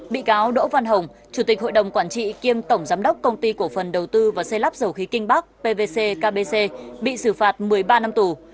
bị cáo đỗ văn hồng chủ tịch hội đồng quản trị kiêm tổng giám đốc công ty cổ phần đầu tư và xây lắp dầu khí kinh bắc pvc kbc bị xử phạt một mươi ba năm tù